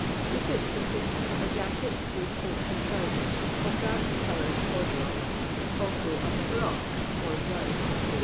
The suit consists of a jacket, waistcoat, and trousers, of dark coloured corduroy ; also a *•' frock ■' or blouse, to we.